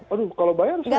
aduh kalau bayar sering kali